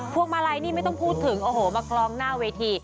วงมาลัยนี่ไม่ต้องพูดถึงโอ้โหมากลองหน้าเวที